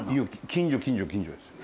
近所近所近所です。